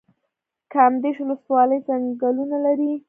کامدیش ولسوالۍ ځنګلونه لري؟